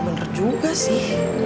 ya bener juga sih